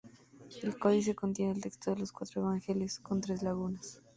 El códice contiene el texto de los cuatro Evangelios, con tres lagunas.